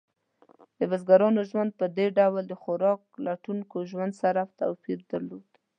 د بزګرانو ژوند په دې ډول د خوراک لټونکو ژوند سره توپیر درلود.